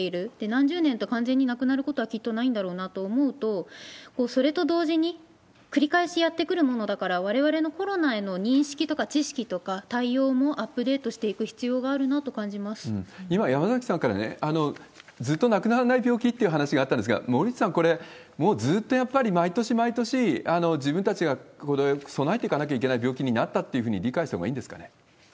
何十年と完全になくなることはきっとないんだろうなと思うと、それと同時に、繰り返しやってくるものだから、われわれのコロナへの認識とか知識とか対応もアップデートしてい今、山崎さんから、ずっとなくならない病気っていう話があったんですが、森内さん、これ、もうずっとやっぱり毎年毎年、自分たちが、これは備えていかなきゃいけない病気になったというふうに理解したほうがいいんですかね？